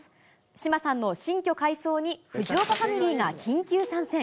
志麻さんの新居改装に、藤岡ファミリーが緊急参戦。